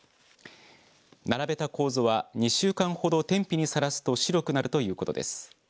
並べたこうぞは２週間ほど天日にさらすと白くなるということです。